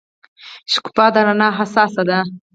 شګوفه د رڼا حساسه ده.